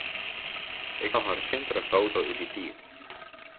Ik haw noch in resintere foto út dy tiid.